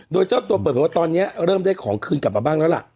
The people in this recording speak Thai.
โดยเจ้าตัวเปิดเผยว่าตอนนี้เริ่มได้ของคืนกลับมาบ้างแล้วล่ะ